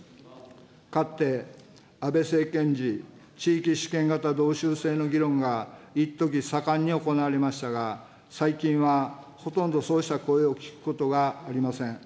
かつて、安倍政権時、地域主権型道州制の議論がいっとき盛んに行われましたが、最近はほとんどそうした声を聞くことがありません。